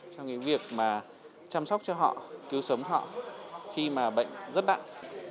trong cái việc mà chăm sóc cho họ cứu sống họ khi mà bệnh rất nặng